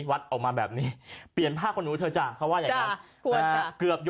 คุณก็ไม่ต้องลืม